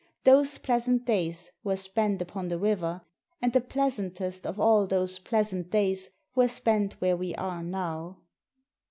Those pleasant days were spent upon the river, and the pleasantest of all those pleasant days were spent where we are now."